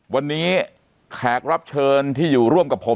วันนี้แขกรับเชิญที่อยู่ร่วมกับผม